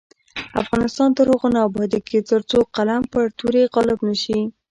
افغانستان تر هغو نه ابادیږي، ترڅو قلم پر تورې غالب نشي.